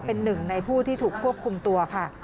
เป็นหนึ่งในผู้ที่ถูกควบคุมตัวค่ะ